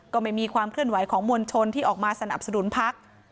ก็ไม่มีความเคลื่อนไหวของมวลชนที่ออกมาสนับสนุนพัก